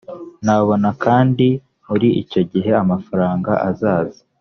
ntabona kandi muri icyo gihe amafaranga azaza